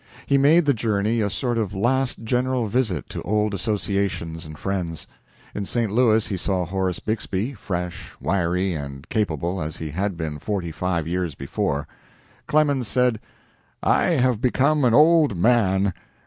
He made the journey a sort of last general visit to old associations and friends. In St. Louis he saw Horace Bixby, fresh, wiry, and capable as he had been forty five years before. Clemens said: "I have become an old man.